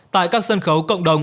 tại các sân khấu cộng đồng